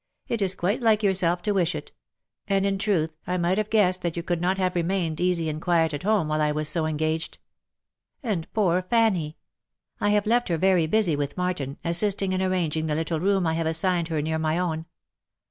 It is quite like yourself to wish it — and in truth, I might have guessed that you could not have remained easy and quiet at home while I was so engaged. And poor Fanny !— I have left her very busy with Martin, assisting in arranging the little room I have assigned her near my own.